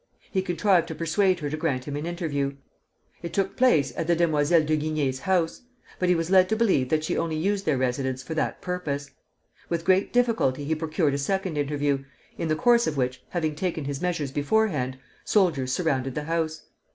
He contrived to persuade her to grant him an interview. It took place at the Demoiselles Duguigney's house; but he was led to believe that she only used their residence for that purpose. With great difficulty he procured a second interview, in the course of which, having taken his measures beforehand, soldiers surrounded the house.